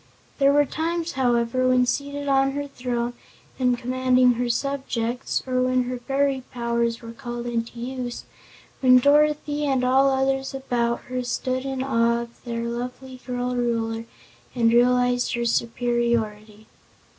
There were times, however, when seated on her throne and commanding her subjects, or when her fairy powers were called into use, when Dorothy and all others about her stood in awe of their lovely girl Ruler and realized her superiority.